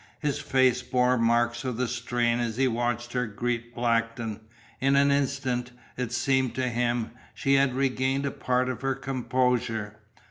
His face bore marks of the strain as he watched her greet Blackton. In an instant, it seemed to him, she had regained a part of her composure.